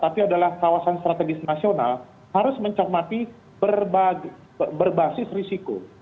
tapi adalah kawasan strategis nasional harus mencermati berbasis risiko